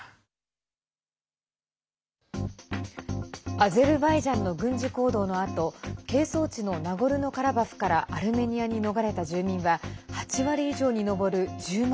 アゼルバイジャンの軍事行動のあと係争地のナゴルノカラバフからアルメニアに逃れた住民は８割以上に上る１０万